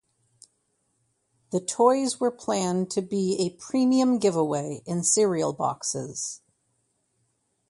The toys were planned to be a premium giveaway in cereal boxes.